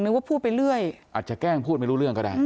ว่าพูดไปเรื่อยอาจจะแกล้งพูดไม่รู้เรื่องก็ได้